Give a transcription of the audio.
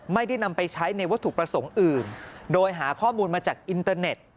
ไม่ได้นำไปใช้ในวัตถุประสงค์อื่นโดยหาข้อมูลมาจากอินเตอร์เน็ต